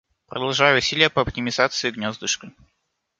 Продолжаю усилия по оптимизации гнездышка.